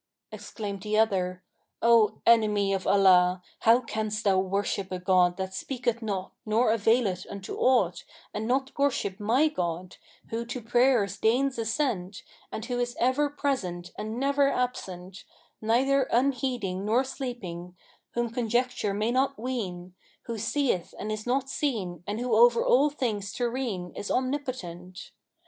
Exclaimed the other, 'O enemy of Allah, how canst thou worship a god that speaketh not nor availeth unto aught and not worship my God, who to prayers deigns assent and who is ever present and never absent, neither unheeding nor sleeping, whom conjecture may not ween, who seeth and is not seen and who over all things terrene is omnipotent?